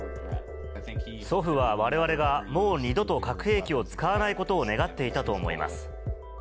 祖父はわれわれがもう二度と核兵器を使わないことを願っていたと思います。